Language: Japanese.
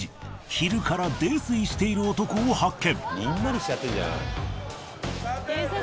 昼から泥酔している男を発見。